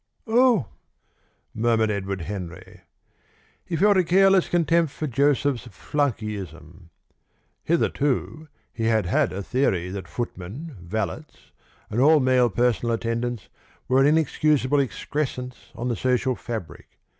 "Oh!" murmured Edward Henry. He felt a careless contempt for Joseph's flunkeyism. Hitherto he had had a theory that footmen, valets, and all male personal attendants were an inexcusable excrescence on the social fabric.